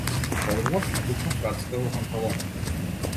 Во подрумот ги тутнав рацете во панталоните.